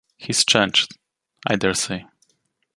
He’s changed, I dare say.